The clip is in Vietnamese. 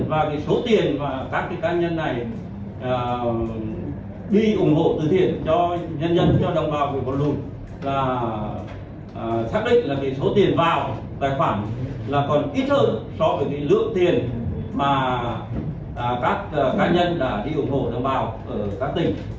và cái số tiền mà các cá nhân này đi ủng hộ từ thiện cho nhân dân cho đồng bào bị lụt là xác định là cái số tiền vào tài khoản là còn ít hơn so với cái lượng tiền mà các cá nhân đã đi ủng hộ đồng bào ở các tỉnh